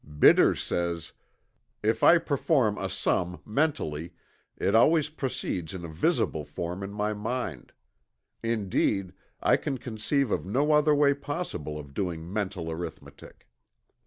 '" Bidder said: "If I perform a sum mentally, it always proceeds in a visible form in my mind; indeed, I can conceive of no other way possible of doing mental arithmetic."